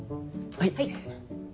はい。